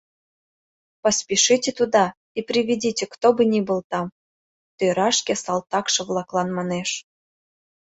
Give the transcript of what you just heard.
— Поспешите туда и приведите, кто бы ни был там, — тӧра шке салтакше-влаклан манеш.